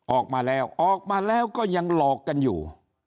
ออกมาแล้วออกมาแล้วก็ยังหลอกกันอยู่